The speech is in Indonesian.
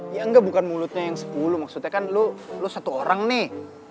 ya enggak bukan mulutnya yang sepuluh maksudnya kan lo lo satu orang nih